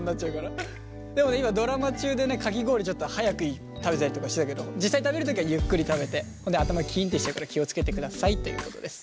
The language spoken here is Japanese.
でもね今ドラマ中でねかき氷ちょっと速く食べたりとかしてたけど実際食べる時はゆっくり食べてそれで頭キンってしちゃうから気を付けてくださいということです。